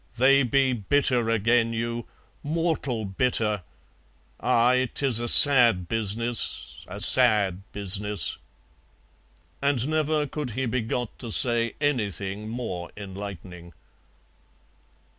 "They be bitter agen you, mortal bitter. Aye, 'tis a sad business, a sad business." And never could he be got to say anything more enlightening.